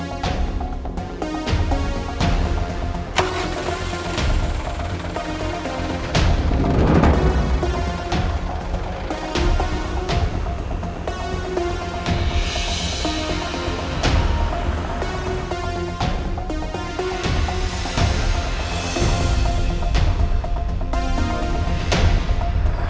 sayang memihakkan kelicon dia